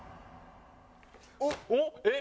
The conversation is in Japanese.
おっ！